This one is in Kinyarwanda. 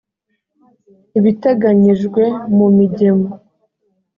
ibiteganyijwe mu migemo .